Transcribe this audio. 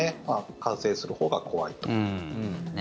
感染するほうが怖いと。